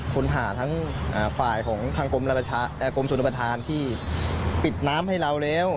ค้นหาทั้งฝ่ายของทางกรมชนประธานที่ปิดน้ำให้เราแล้ว